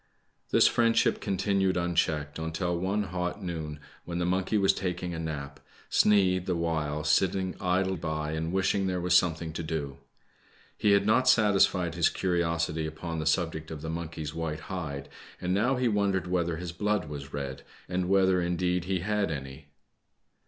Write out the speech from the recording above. This friendship continued unchecked until one hot noon, when' the monkey was taking a nap, Sneid, the while, sitting idle by and wishing there was some thing to do. He had not satisfied his curiosity upon the subject of the monkey's white hide, and now he wondered whether his blood was red, and whether, indeed, he had any.